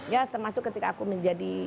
ya termasuk ketika aku menjadi